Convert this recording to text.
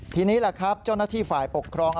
ทีนี้แหละครับเจ้าหน้าที่ฝ่ายปกครอง